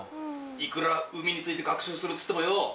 いくら海について学習するっつってもよ